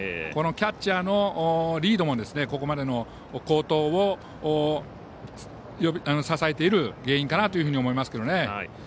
このキャッチャーのリードもここまでの好投を支えている原因かなと思いますけどね。